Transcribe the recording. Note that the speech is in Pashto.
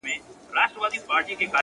هغه ياغي شاعر له دواړو خواو لمر ویني چي;